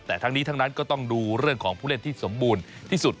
แต่ทั้งนี้ทั้งนั้นก็ต้องดูเรื่องของผู้เล่นที่สมบูรณ์ที่สุด